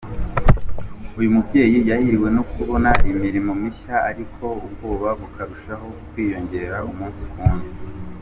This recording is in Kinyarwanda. Uyu mubyeyi yahiriwe no kubona imirimo mishya ariko ubwoba bukarushaho kwiyongera umunsi ku wundi.